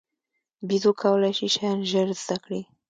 بیزو کولای شي شیان ژر زده کړي.